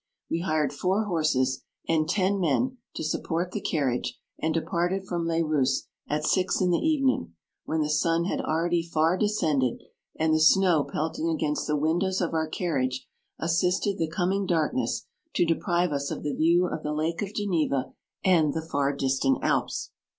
We hired four horses, and ten men to sup port the carriage, and departed from Les Rousses at six in the evening, when the sun had already far descend ed, and the snow pelting against the windows of our carriage, assisted the coming darkness to deprive us of the view of the lake of Geneva and the fer distant Alps.